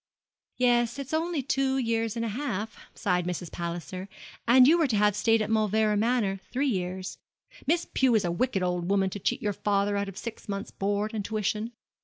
'Yes, it's only two years and a half,' sighed Mrs. Palliser, 'and you were to have stayed at Mauleverer Manor three years. Miss Pew is a wicked old woman to cheat your father out of six months' board and tuition.